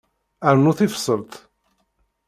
Rnu tibṣelt.